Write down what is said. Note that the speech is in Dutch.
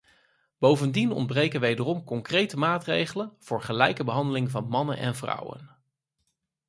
Bovendien ontbreken wederom concrete maatregelen voor gelijke behandeling van mannen en vrouwen.